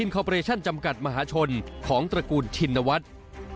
ของตระกูลชินวัตร